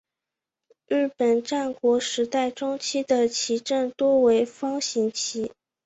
日本战国时代中期的阵旗多为方形旗。